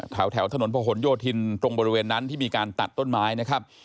แถวถนนพระหลโยธินตรงบริเวณนั้นที่มีการตัดต้นไม้นะครับ